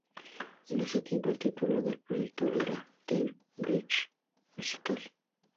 En ese tiempo, el título del proyecto era "Teen Beach Musical".